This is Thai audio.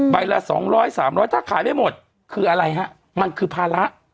ละ๒๐๐๓๐๐ถ้าขายไม่หมดคืออะไรฮะมันคือภาระ